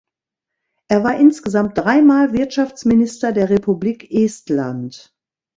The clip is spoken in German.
Er war insgesamt drei Mal Wirtschaftsminister der Republik Estland.